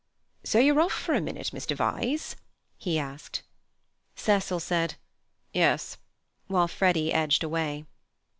"So you're off for a minute, Mr. Vyse?" he asked. Cecil said, "Yes," while Freddy edged away.